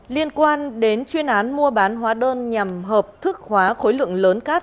liên quan đến chuyên án mua bán hóa đơn nhằm hợp thức hóa khối lượng lớn cát